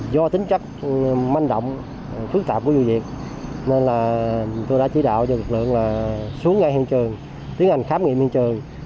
do tính chất manh động phức tạp của vụ việc nên là tôi đã chỉ đạo cho lực lượng là xuống ngay hiện trường tiến hành khám nghiệm minh trường